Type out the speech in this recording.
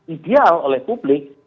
ideal oleh publik